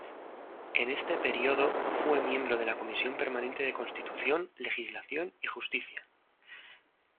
En este período, fue miembro de la comisión permanente de Constitución, Legislación y Justicia.